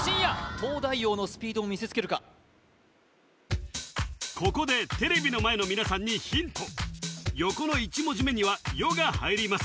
東大王のスピードを見せつけるかここでテレビの前の皆さんにヒント横の１文字目には「よ」が入ります